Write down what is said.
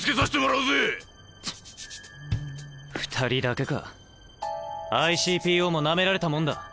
２人だけかＩＣＰＯもナメられたもんだ。